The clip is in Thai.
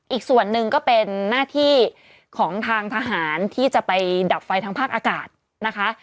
อีกส่วนหนึ่งก็เป็นหน้าที่ของทางทหารที่จะไปดับไฟทางภาคอากาศนะคะ